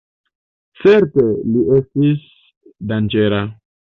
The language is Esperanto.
Certe, li estis danĝera.